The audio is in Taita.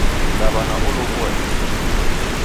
Mdawana olowua icho